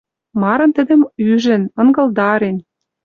Марын тӹдӹм ӱжӹн, ынгылдарен